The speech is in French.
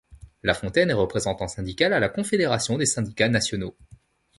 Lafontaine est représentant syndical à la Confédération des syndicats nationaux.